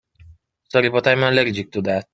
Sorry but I'm allergic to that.